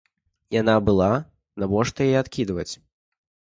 Яна была, навошта яе адкідваць?